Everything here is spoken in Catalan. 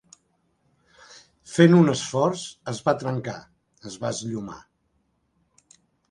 Fent un esforç es va trencar, es va esllomar.